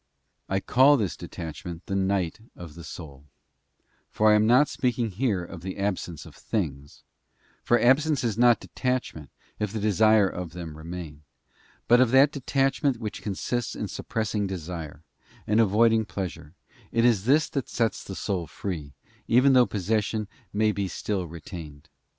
I call this detachment the night of the soul, for I am not Detachment may ac speaking here of the absence of things—for absence is not compete detachment, if the desire of them remain—but of that detach ment which consists in suppressing desire, and avoiding a a at wet * a Ot Ree Retire pleasure ; it is this that sets the soul free, even though pos session may be still retained.